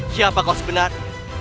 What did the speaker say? siapa kau sebenarnya